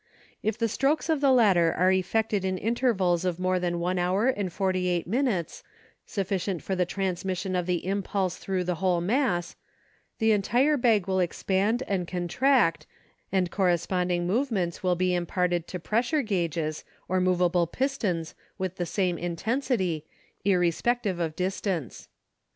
If the strokes of the latter are effected in intervals of more than one hour and forty eight minutes, sufficient for the transmission of the impulse thru the whole mass, the entire bag will expand and con tract and corresponding movements will be imparted to pressure gauges or movable pistons with the same intensity, irrespective of distance.